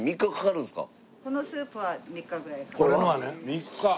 ３日！